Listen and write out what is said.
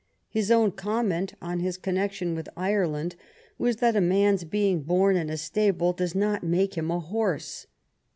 His own comment on his connection with Ireland was that a man's being born in a stable does not make him a horse.